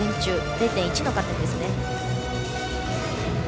０．１の加点ですね。